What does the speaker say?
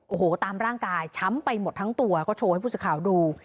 โอ้โหตามร่างกายช้ำไปหมดทั้งตัวก็โชว์ให้ผู้สื่อข่าวดู